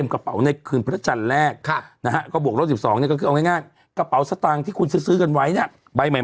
ก็คือนั่นแหละทำนายทายทักนั่นแหละแค่เลย